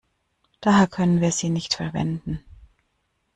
Daher können wir sie nicht verwenden.